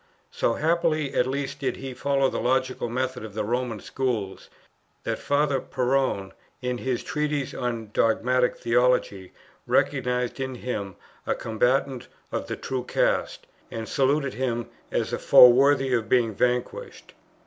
So happily at least did he follow the logical method of the Roman Schools, that Father Perrone in his Treatise on dogmatic theology, recognized in him a combatant of the true cast, and saluted him as a foe worthy of being vanquished.